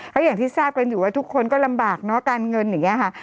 ก็อย่างที่ทราบกันอยู่ว่าทุกคนก็ลำบากเนอะการเงินอย่างนี้ค่ะ